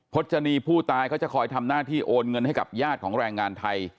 จนีผู้ตายเขาจะคอยทำหน้าที่โอนเงินให้กับญาติของแรงงานไทย